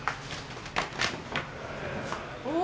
お！